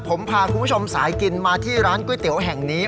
ผมพาคุณผู้ชมสายกินมาที่ร้านก๋วยเตี๋ยวแห่งนี้